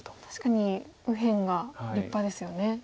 確かに右辺が立派ですよね。